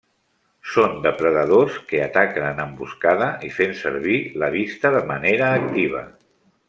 Són depredadors que ataquen en emboscada i fent servir la vista de manera activa.